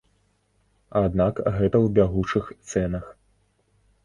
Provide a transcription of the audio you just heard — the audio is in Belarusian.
Аднак гэта ў бягучых цэнах.